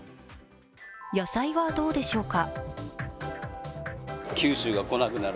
野菜はどうでしょうか？